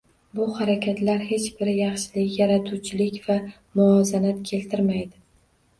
Bu harakatlar hech biri yaxshilik, yaratuvchilik va muvozanat keltirmaydi.